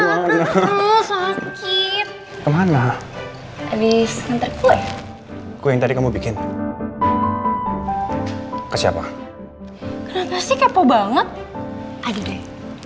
assalamualaikum warahmatullahi wabarakatuh